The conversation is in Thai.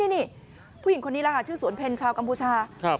นี่ผู้หญิงคนนี้แหละค่ะชื่อสวนเพลชาวกัมพูชา